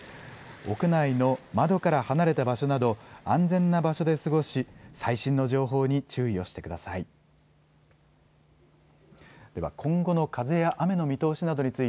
屋内の窓から離れた場所など安全な場所で過ごし、最新の情報に注意をしてください。